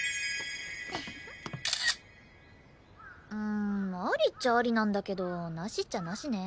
んありっちゃありなんだけどなしっちゃなしね。